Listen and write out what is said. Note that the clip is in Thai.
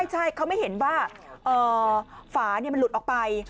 ใช่เขาไม่เห็นว่าฝามันหลุดออกไป